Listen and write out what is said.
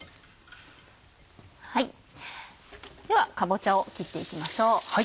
ではかぼちゃを切っていきましょう。